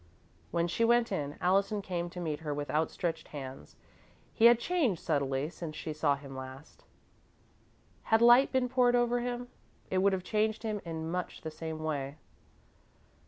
When she went in, Allison came to meet her with outstretched hands. He had changed subtly, since she saw him last. Had light been poured over him, it would have changed him in much the same way.